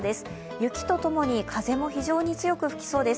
雪とともに風も非常に強く吹きそうです。